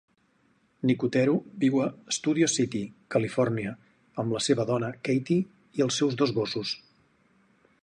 Nicotero viu a Studio City, Califòrnia, amb la seva dona Katie i els seus dos gossos.